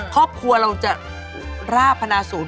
ครอบครัวเราจะราบพนาศูนย์